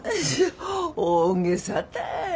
大げさたい。